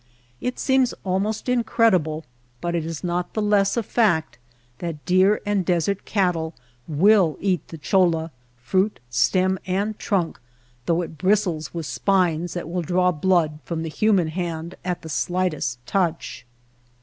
It seems almost incredible but is not the less a fact, that deer and desert cattle will eat the cholla — fruit, stem, and trunk — though it bristles with spines that will draw blood from the human hand at the slightest touch.